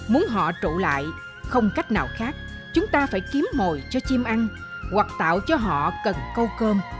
muốn họ trụ lại không cách nào khác chúng ta phải kiếm mồi cho chim ăn hoặc tạo cho họ cần câu cơm